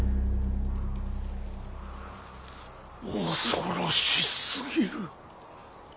恐ろしすぎる。